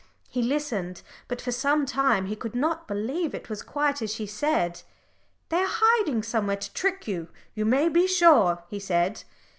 He listened, but for some time he could not believe it was quite as she said. "They are hiding somewhere to trick you, you may be sure," he said.